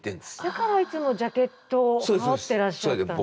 だからいつもジャケットを羽織ってらっしゃったんですか。